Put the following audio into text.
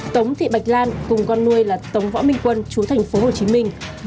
tống thị bạch lan cùng con nuôi là tống võ minh quân chú thành phố hồ chí minh